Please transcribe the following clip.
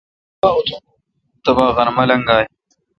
تبا غرمہ لگائہ۔